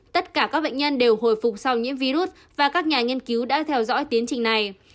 tất cả các bệnh nhân đều hồi phục sau nhiễm virus và các nhà nghiên cứu đã theo dõi tiến trình này